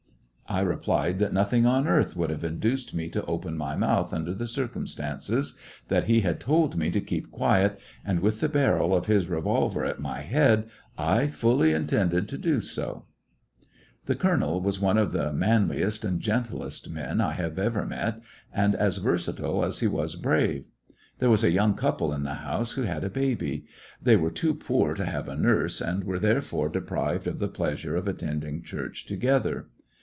I replied that nothing on earth would have induced me to open my mouth under the cir cumstances—that he had told me to keep quiet, and with the barrel of his revolver at my head I fully intended to do so. A warrior The colonel was one of the manliest and gentlest men I ever met, and as versatile as he was brave. There was a young couple in the house who had a baby. They were too poor to have a nurse, and were therefore de prived of the pleasure of attending church together.